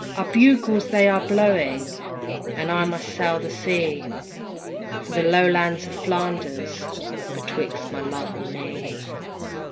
Our bugles they are blowing, And I must sail the sea, For the Lowlands of Flanders Betwixt my love and me.